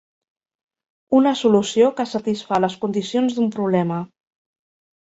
Una solució que satisfà les condicions d'un problema.